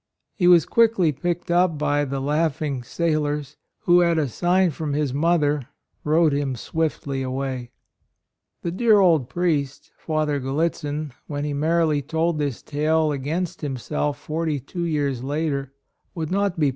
He was quickly picked up by the laughing sailors, who at a sign from his mother rowed him swiftly away. The dear old priest, Father Gallitzin, when he merrily told this tale against himself forty two years later, would not be AND MOTHER.